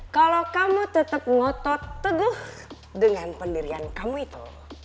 kalo kamu tetep ngotot teguh dengan pendirian kamu itu